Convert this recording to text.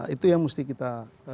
itu yang mesti kita